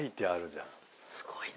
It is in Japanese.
すごいな。